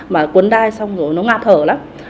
mà cuốn đai xong rồi nó ngạc thở lắm